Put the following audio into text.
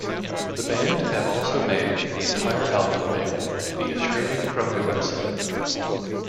The band have also made the entire album available via streaming from their website.